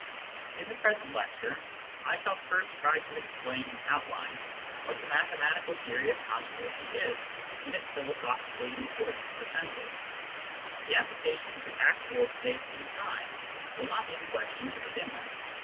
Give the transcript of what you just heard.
In the present lecture, I shall first try to explain in Digitized by Google THE THEORY OF CONTINUITY 131 outline what the mathematical theory of continuity is in its philosophically important essentials. The application to actual space and time will not be in question to begin with.